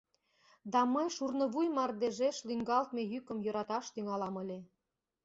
Да мый шурнывуй мардежеш лӱҥгалтме йӱкым йӧраташ тӱҥалам ыле…